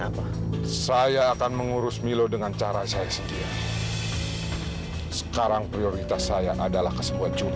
apa saya akan mengurus milo dengan cara saya sedia sekarang prioritas saya adalah ke sebuah